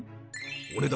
お値段